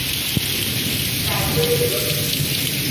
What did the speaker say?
改归德府。